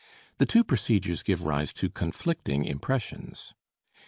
The two procedures give rise to conflicting impressions.